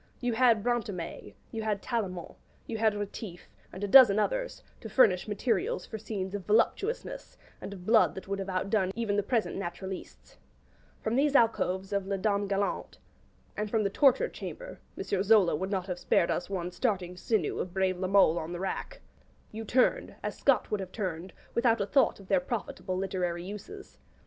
You had Branto'me, you had Tallemant, you had Rétif, and a dozen others, to furnish materials for scenes of voluptuousness and of blood that would have outdone even the present naturalistes. From these alcoves of 'Les Dames Galantes,' and from the torture chambers (M. Zola would not have spared us one starting sinew of brave La Mole on the rack) you turned, as Scott would have turned, without a thought of their profitable literary uses.